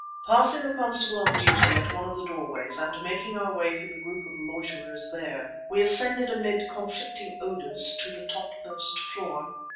Passing the constable on duty at one of the doorways and making our way through the group of loiterers there, we ascended amid conflicting odours to the topmost floor.